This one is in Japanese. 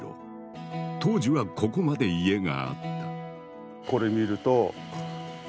当時はここまで家があった。